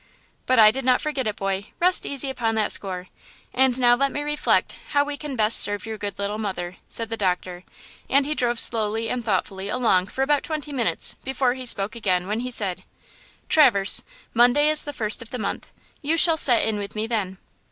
"But I did not forget it, boy; rest easy upon that score; and now let me reflect how we can best serve your good little mother," said the doctor; and he drove slowly and thoughtfully along for about twenty minutes before he spoke again, when he said: "Traverse, Monday is the first of the month. You shall set in with me then.